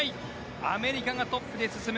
アメリカがトップで進む。